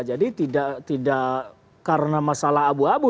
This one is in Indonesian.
jadi tidak karena masalah abu abu